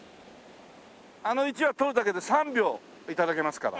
あの１羽撮るだけで３秒頂けますから。